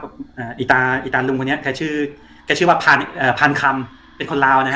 อ่าอีตาอีตาลุงคนนี้แกชื่อแกชื่อว่าพานคำเป็นคนลาวนะฮะ